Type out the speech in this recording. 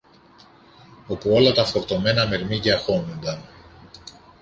όπου όλα τα φορτωμένα μερμήγκια χώνουνταν